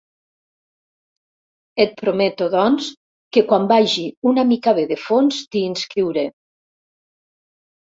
Et prometo, doncs, que quan vagi una mica bé de fons t'hi inscriuré.